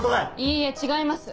いいえ違います。